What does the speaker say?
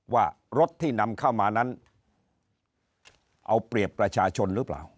ว่ารถที่นำเข้ามานั้นเอาเปรียบประชาชนหรือเปล่า